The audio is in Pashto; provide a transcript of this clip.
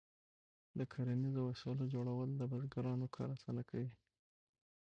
د کرنیزو وسایلو جوړول د بزګرانو کار اسانه کوي.